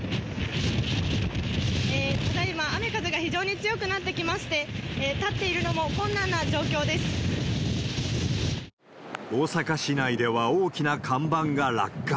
ただいま、雨風が非常に強くなってきまして、大阪市内では大きな看板が落下。